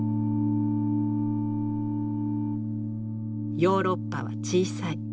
「ヨーロッパは小さい。